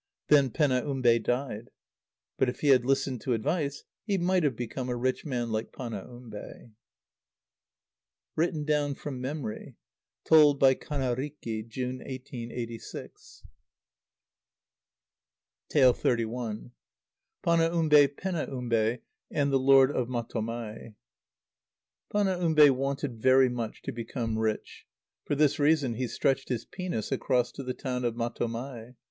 Then Penaumbe died. But if he had listened to advice he might have become a rich man like Panaumbe. (Written down from memory. Told by Kannariki, June, 1886.) xxxi. Panaumbe, Penaumbe, and the Lord of Matomai.[E] Panaumbe wanted very much to become rich. For this reason, he stretched his penis across to the town of Matomai.